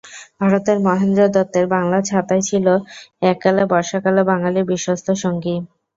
ভারতের মহেন্দ্র দত্তের বাংলা ছাতাই ছিল এককালে বর্ষাকালে বাঙালির বিশ্বস্ত সঙ্গী।